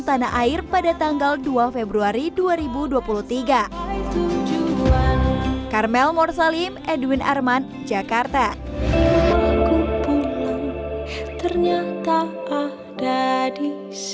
tanah air pada tanggal dua februari dua ribu dua puluh tiga